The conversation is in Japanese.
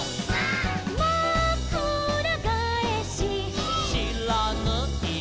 「まくらがえし」「」「しらぬい」「」